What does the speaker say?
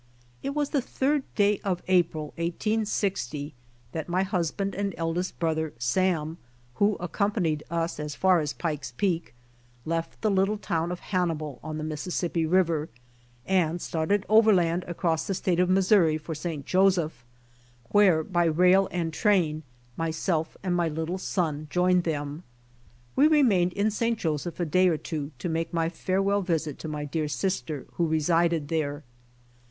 It w^as the third day of April, 1860, that my hus band and eldest brother, Sam, who accompanied us as far as Pike's Peak, left the little town of Hannibal, on the Mississippi river, and started overland across the state of Missouri for St. Joseph, where by rail and train myself and little son joined them. We remained in St. Joseph a day or tw^o to make my farewell visit to my dear sister who resided there.